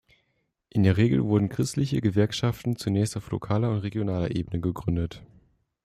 In der Regel wurden christliche Gewerkschaften zunächst auf lokaler und regionaler Ebene gegründet.